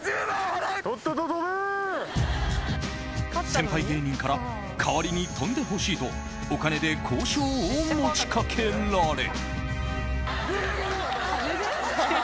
先輩芸人から代わりに飛んでほしいとお金で交渉を持ちかけられ。